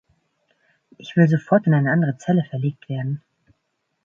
Ich will sofort in eine andere Zelle verlegt werden!